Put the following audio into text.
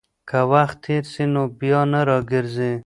که وخت تېر سي، نو بيا نه راګرځي.